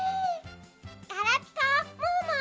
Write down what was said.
ガラピコムームー！